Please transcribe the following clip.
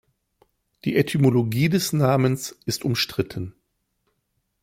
Die Etymologie des Namens ist umstritten.